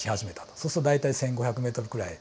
そうすると大体１，５００ｍくらい来たかなと。